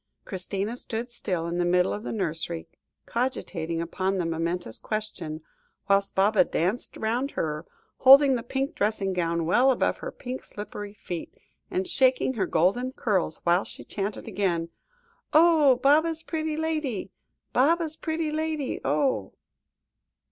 Christina stood still in the middle of the nursery, cogitating upon the momentous question, whilst Baba danced round her, holding the pink dressing gown well above her pink slippered feet, and shaking her golden curls whilst she chanted again "Oh! Baba's pretty lady; Baba's pretty lady, oh!"